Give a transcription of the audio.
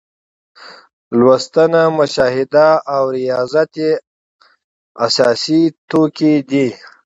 لوستنه، مشاهده او ریاضت یې اساسي توکي دي.